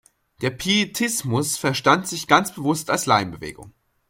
Der Pietismus verstand sich ganz bewusst als Laienbewegung.